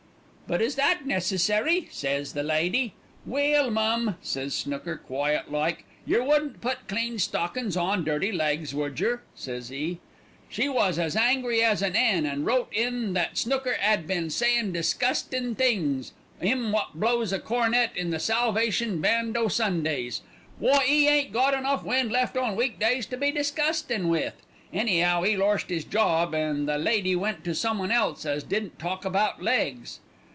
"'But is that necessary?' says the lady. "'Well, mum,' says Snooker, quiet like, 'yer wouldn't put clean stockin's on dirty legs, would yer?' says 'e. "She was as angry as an 'en, and wrote in that Snooker 'ad been sayin' disgustin' things, 'im wot blows a cornet in the Salvation Band o' Sundays. Why, 'e ain't got enough wind left on week days to be disgustin' with. Any'ow 'e lorst 'is job, and the lady went to someone else as didn't talk about legs."